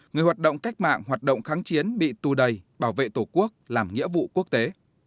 người hoạt động cách mạng hoạt động kháng chiến bị tu đầy bảo vệ tổ quốc làm nghĩa vụ quốc tế